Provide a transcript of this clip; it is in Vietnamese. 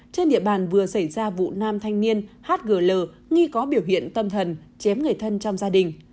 trên địa bàn vừa xảy ra vụ nam thanh niên hgl nghi có biểu hiện tâm thần chém người thân trong gia đình